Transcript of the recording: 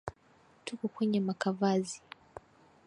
Tuko kwenye makavazi